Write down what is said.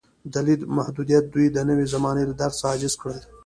د لید محدودیت دوی د نوې زمانې له درک څخه عاجز کړل.